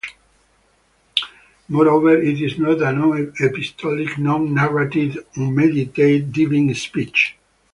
Moreover, it is a non-epistolic, non-narrative unmediated divine speech.